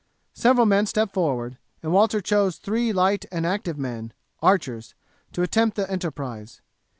Several men stepped forward, and Walter chose three light and active men archers to attempt the enterprise.